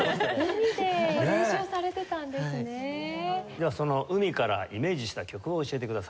ではその「海」からイメージした曲を教えてください。